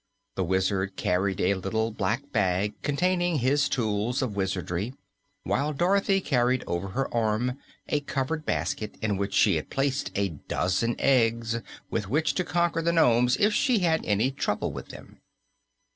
The Wizard carried a little black bag containing his tools of wizardry, while Dorothy carried over her arm a covered basket in which she had placed a dozen eggs, with which to conquer the nomes if she had any trouble with them.